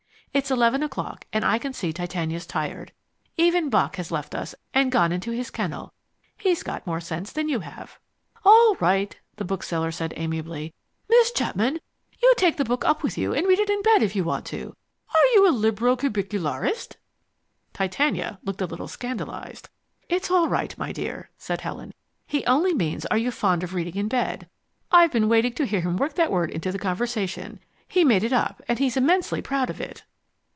It's eleven o'clock, and I can see Titania's tired. Even Bock has left us and gone in to his kennel. He's got more sense than you have." "All right," said the bookseller amiably. "Miss Chapman, you take the book up with you and read it in bed if you want to. Are you a librocubicularist?" Titania looked a little scandalized. "It's all right, my dear," said Helen. "He only means are you fond of reading in bed. I've been waiting to hear him work that word into the conversation. He made it up, and he's immensely proud of it."